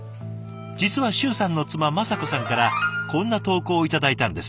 実は周さんの妻雅子さんからこんな投稿を頂いたんです。